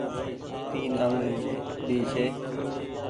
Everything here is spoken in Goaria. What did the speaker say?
تين انگ ڀي ڇي۔